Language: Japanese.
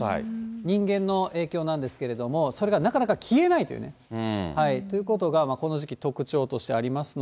人間の影響なんですけれども、それがなかなか消えないというね、ということが、この時期、特徴としてありますので。